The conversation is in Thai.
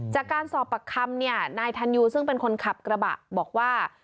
จากการสอบปากคำเนี่ยนายทันยูซึ่งเป็นคนขับกระบะบอกว่า